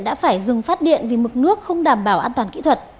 đã phải dừng phát điện vì mực nước không đảm bảo an toàn kỹ thuật